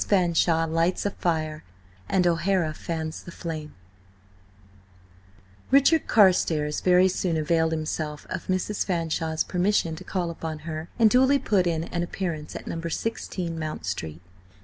FANSHAWE LIGHTS A FIRE AND O'HARA FANS THE FLAME RICHARD CARSTARES very soon availed himself of Mrs. Fanshawe's permission to call upon her, and duly put in an appearance at No. 16 Mount Street.